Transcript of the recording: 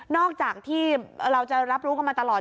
อกจากที่เราจะรับรู้กันมาตลอด